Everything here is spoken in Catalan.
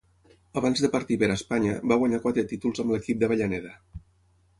Abans de partir per a Espanya, va guanyar quatre títols amb l'equip d'Avellaneda.